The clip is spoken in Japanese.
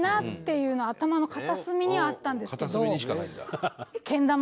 片隅にしかないんだ。